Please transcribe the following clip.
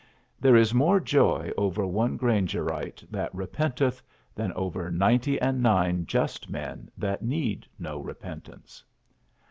There is more joy over one Grangerite that repenteth than over ninety and nine just men that need no repentance.